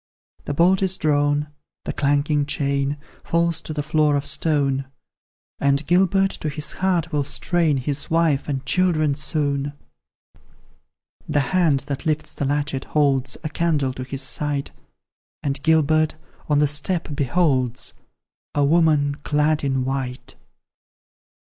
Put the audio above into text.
The bolt is drawn, the clanking chain Falls to the floor of stone; And Gilbert to his heart will strain His wife and children soon. The hand that lifts the latchet, holds A candle to his sight, And Gilbert, on the step, beholds A woman, clad in white.